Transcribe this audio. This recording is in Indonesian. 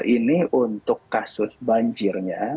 ini untuk kasus banjirnya